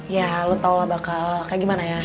ya lo tau lah bakal kayak gimana ya